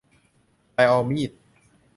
ไดออมีด